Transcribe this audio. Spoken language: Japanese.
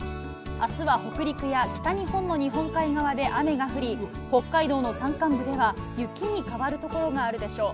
あすは北陸や北日本の日本海側で雨が降り、北海道の山間部では、雪に変わる所があるでしょう。